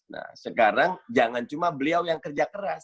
nah sekarang jangan cuma beliau yang kerja keras